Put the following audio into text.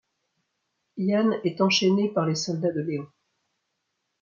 Ian est enchaîné par les soldats de Léon.